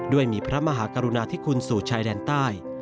ด้วยมีพระมหากรุณาธิคุณสู่ชายแดนใต้